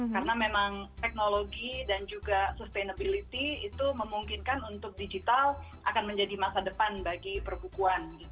karena memang teknologi dan juga sustainability itu memungkinkan untuk digital akan menjadi masa depan bagi perbukuan